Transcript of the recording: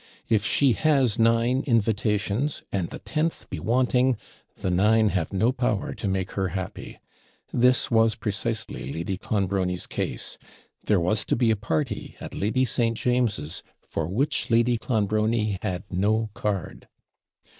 If she has nine invitations, and the tenth be wanting, the nine have no power to make her happy. This was precisely Lady Clonbrony's case there was to be a party at Lady St. James's, for which Lady Clonbrony had no card.